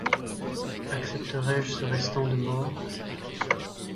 Accepterai-je ce restant de Maure ?